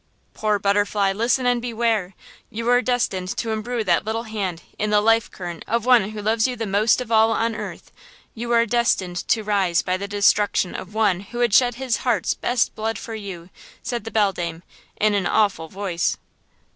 "Poor butterfly, listen and beware! You are destined to imbrue that little hand in the life current of one who loves you the most of all on earth! You are destined to rise by the destruction of one who would shed his heart's best blood for you!" said the beldame, in an awful voice.